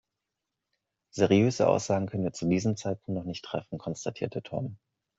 Seriöse Aussagen können wir zu diesem Zeitpunkt noch nicht treffen, konstatierte Tom.